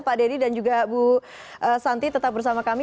pak dedy dan juga bu santi tetap bersama kami